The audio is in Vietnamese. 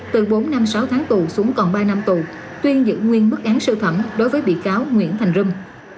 từ bốn năm sáu tháng tù xuống còn ba năm tù tuyên giữ nguyên bức án sơ thẩm đối với bị cáo nguyễn thành râm